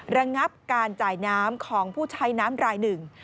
ระงับการจ่ายน้ำของผู้ใช้น้ำรายหนึ่ง